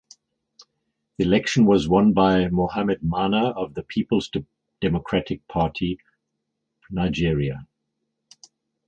The election was won by Mohammed Mana of the Peoples Democratic Party (Nigeria).